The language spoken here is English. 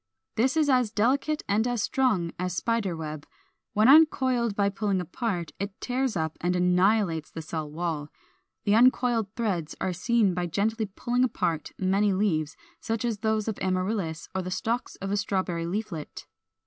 This is as delicate and as strong as spider web: when uncoiled by pulling apart, it tears up and annihilates the cell wall. The uncoiled threads are seen by gently pulling apart many leaves, such as those of Amaryllis, or the stalk of a Strawberry leaflet.